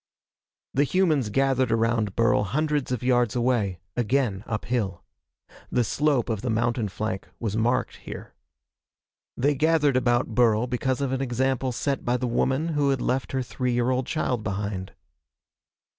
The humans gathered around Burl hundreds of yards away again uphill. The slope of the mountain flank was marked here. They gathered about Burl because of an example set by the woman who had left her three year old child behind.